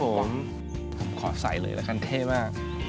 ผมขอใส่เลยนะคะเท่มาก